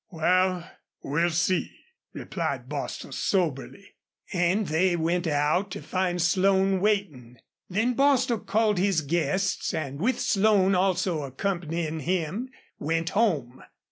Wal, we'll see," replied Bostil, soberly. And they went out to find Slone waiting. Then Bostil called his guests, and with Slone also accompanying him, went home.